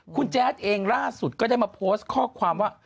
คุณแจ๊ดเองล่าสุดก็ได้มาโพสต์ข้อความว่า